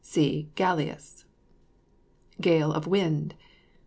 See GALLIAS. GALE OF WIND.